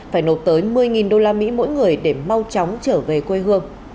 phải nộp tới một mươi usd mỗi người để mau chóng trở về quê hương